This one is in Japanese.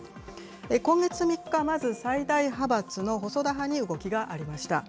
今月３日、まず最大派閥の細田派に動きがありました。